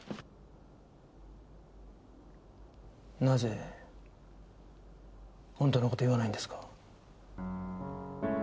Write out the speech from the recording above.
なぜ本当の事を言わないんですか？